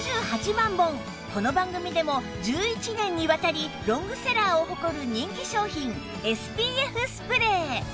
この番組でも１１年にわたりロングセラーを誇る人気商品 ＳＰＦ スプレー